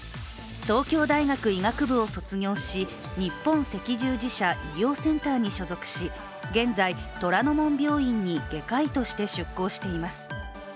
東京大学医学部を卒業し日本赤十字社医療センターに所属し現在、虎の門病院に外科医として出向しています。